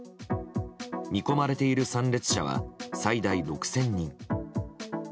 見込まれている参列者は最大６０００人。